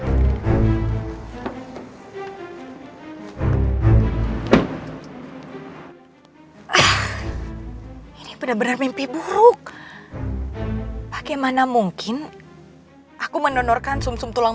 hai ini benar benar mimpi buruk bagaimana mungkin aku mendonorkan sum sum tulang